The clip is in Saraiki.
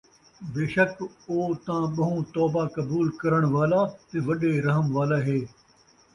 بیشک او تاں ٻَہوں توبہ قبول کرݨ والا تے وݙے رَحم والا ہے ۔